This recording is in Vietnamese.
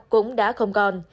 cũng đã không còn